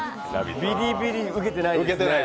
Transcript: ビリビリ受けてないですね。